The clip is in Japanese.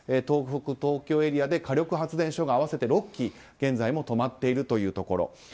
東北・東京エリアで火力発電所が合わせて６基現在も止まっているというところ。